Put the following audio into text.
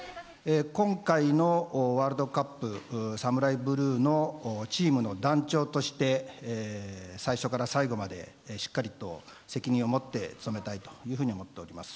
今回のワールドカップサムライブルーのチームの団長として最初から最後までしっかりと責任をもって務めたいと思っております。